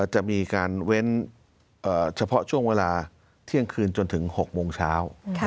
จะมีการเว้นเฉพาะช่วงเวลาเที่ยงคืนจนถึง๖โมงเช้า